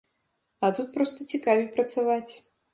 А тут проста цікавей працаваць.